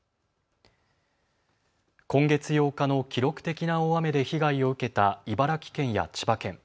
今月８日の記録的な大雨で被害を受けた茨城県や千葉県。